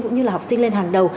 cũng như là học sinh lên hàng đầu